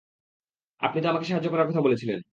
আপনি তো আমাকে সাহায্য করার কথা বলেছিলেন।